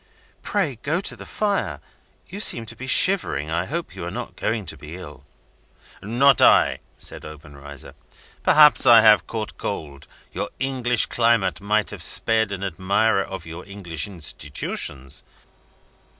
"Pray go to the fire. You seem to be shivering I hope you are not going to be ill?" "Not I!" said Obenreizer. "Perhaps I have caught cold. Your English climate might have spared an admirer of your English institutions.